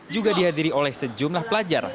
juga dihadiri oleh sejumlah pelajar